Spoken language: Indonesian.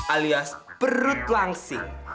alias perut langsing